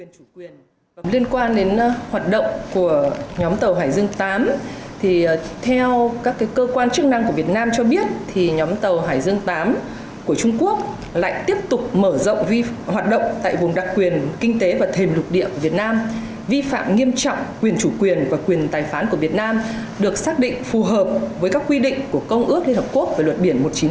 trả lời một số câu hỏi của phóng viên báo chí trong nước quốc tế về hoạt động của nhóm tàu khảo sát hải dương viii của trung quốc ở khu vực biển đông